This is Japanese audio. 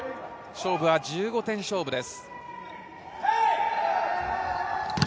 勝負は１５点勝負です。